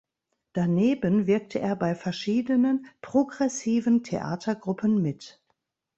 Daneben wirkte er bei verschiedenen progressiven Theatergruppen mit.